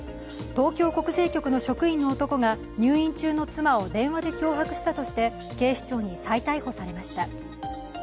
東京国税局の職員の男が入院中の妻を電話で脅迫したとして警視庁に再逮捕されました。